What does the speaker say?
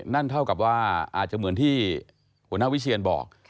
นั่นเท่ากับว่าอาจจะเหมือนที่หัวหน้าวิเชียนบอก